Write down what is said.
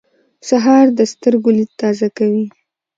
سهار د سترګو لید تازه کوي.